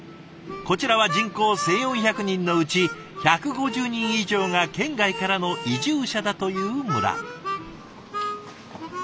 こちらは人口１，４００人のうち１５０人以上が県外からの移住者だという村。